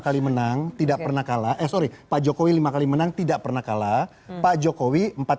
kali menang tidak pernah kalah eh sorry pak jokowi lima kali menang tidak pernah kalah pak jokowi empat